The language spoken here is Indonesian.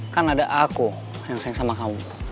kan ada aku yang sayang sama kamu